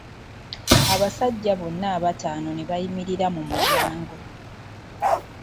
Abasajja bonna abataano ne bayimirira mu mulyango.